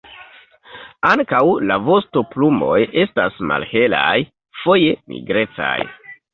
Ankaŭ la vostoplumoj estas malhelaj, foje nigrecaj.